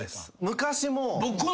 昔も。